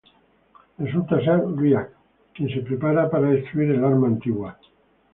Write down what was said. Resulta ser Rya’c, quien se prepara para destruir el arma Antigua.